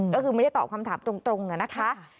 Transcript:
ก็คือไม่ได้ตอบคำถามตรงนะคะ